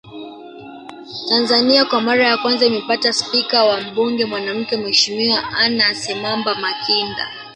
Tanzania kwa mara ya kwanza imepata spika wa mbuge mwanamke Mheshimiwa Anna Semamba Makinda